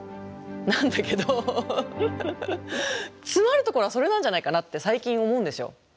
なんだけどつまるところはそれなんじゃないかなって最近思うんですよ。